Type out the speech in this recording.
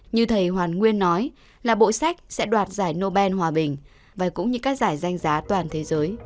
như thầy hoàn nguyên nói là bộ sách sẽ đoạt giải nobel hòa bình và cũng như các giải danh giá toàn thế giới